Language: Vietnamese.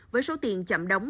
với số tiền đồng